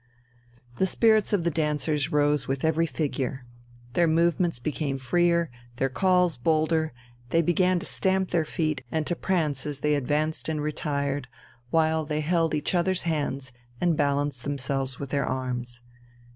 The spirits of the dancers rose with every figure. Their movements became freer, their calls bolder, they began to stamp their feet and to prance as they advanced and retired, while they held each other's hands and balanced themselves with their arms.